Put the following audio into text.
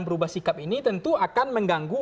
berubah sikap ini tentu akan mengganggu